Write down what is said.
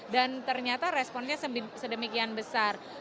dan ternyata responnya sedemikian besar